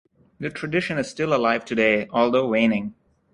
The tradition is still alive today, although waning.